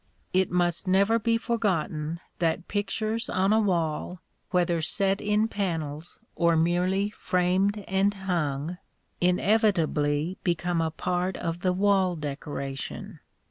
It must never be forgotten that pictures on a wall, whether set in panels or merely framed and hung, inevitably become a part of the wall decoration.